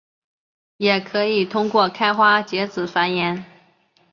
也可以通过开花结籽繁衍。